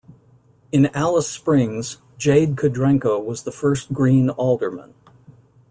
In Alice Springs Jade Kudrenko was the first Green Alderman.